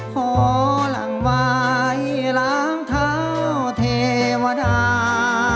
ขอหลังวายล้างเท้าเทวดา